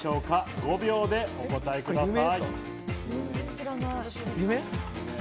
５秒でお答えください。